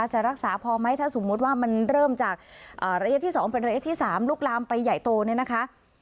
จะรักษาพอไหมถ้าสมมุติว่ามันเริ่มจากระยะที่๒เป็นระยะที่๓ลุกลามไปใหญ่โตเนี่ยนะคะ